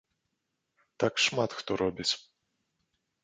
Так шмат хто робіць.